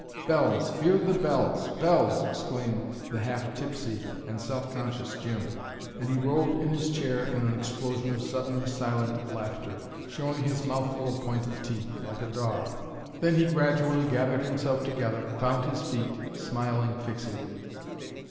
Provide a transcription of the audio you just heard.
"Bells! Hear the bells! Bells!" exclaimed the half tipsy and self conscious Jim. And he rolled in his chair in an explosion of sudden, silent laughter, showing his mouthful of pointed teeth, like a dog. Then he gradually gathered himself together, found his feet, smiling fixedly.